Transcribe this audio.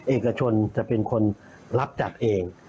เอกชนจะเป็นคนรับจัดเอง